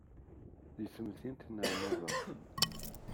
Deg temdint n Ɛennaba.